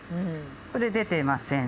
これ出てません。